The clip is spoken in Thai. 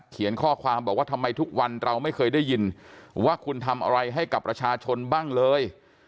เขียนข้อความบอกว่าทำไมทุกวันเราไม่เคยได้ยินว่าคุณทำอะไรให้กับประชาชนบ้างเลย